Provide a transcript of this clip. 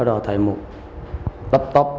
sau đó thầy mục lắp tóc